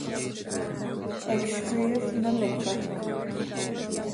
Ag scríobh na litreach.